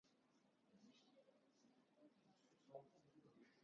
Ծաղիկները երկսեռ են և վարսանդավոր։